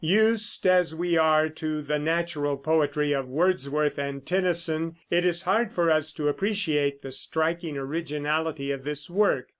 Used as we are to the natural poetry of Wordsworth and Tennyson, it is hard for us to appreciate the striking originality of this work.